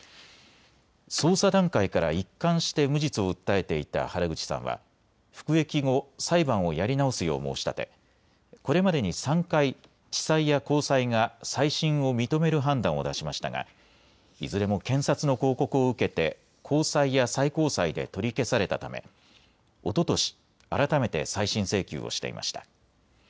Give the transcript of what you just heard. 捜査段階から一貫して無実を訴えていた原口さんは服役後、裁判をやり直すよう申し立てこれまでに３回、地裁や高裁が再審を認める判断を出しましたがいずれも検察の抗告を受けて高裁や最高裁で取り消されたためおととし改めて再審請求をしていました。